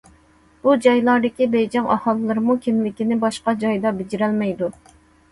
بۇ جايلاردىكى بېيجىڭ ئاھالىلىرىمۇ كىملىكىنى باشقا جايدا بېجىرەلمەيدۇ.